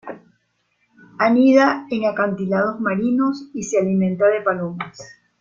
Anida en acantilados marinos y se alimenta de palomas.